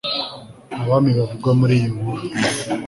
abami bavugwa muriyi nkuru